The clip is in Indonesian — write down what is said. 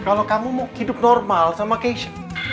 kalau kamu mau hidup normal sama cash